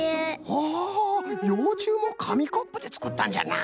ほほうようちゅうもかみコップでつくったんじゃな。